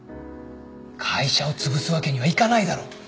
会社をつぶすわけにはいかないだろう。